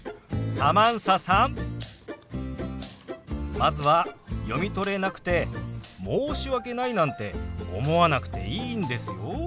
まずは読み取れなくて申し訳ないなんて思わなくていいんですよ。